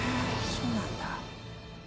そうなんだ。